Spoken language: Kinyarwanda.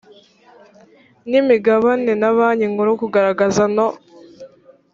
n imigabane na banki nkuru kugaragaza no